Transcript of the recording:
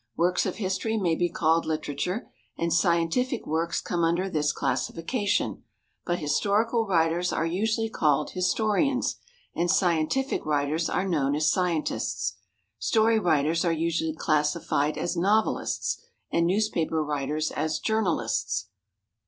Works of history may be called literature, and scientific works come under this classification; but historical writers are usually called historians, and scientific writers are known as scientists. Story writers are usually classified as novelists, and newspaper writers as journalists.